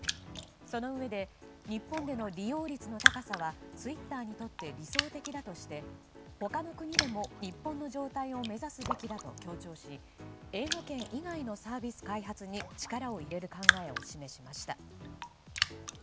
そのうえで日本での利用率の高さはツイッターにとって理想的だとして他の国でも日本の状態を目指すべきだと強調し英語圏以外のサービス開発に力を入れる考えを示しました。